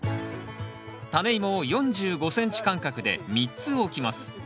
タネイモを４５ｃｍ間隔で３つ置きます。